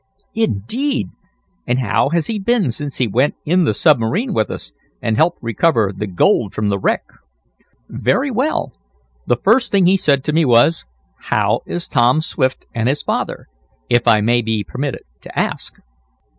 "Indeed! And how has he been since he went in the submarine with us, and helped recover the gold from the wreck?" "Very well. The first thing he said to me was: 'How is Tom Swift and his father, if I may be permitted to ask?'"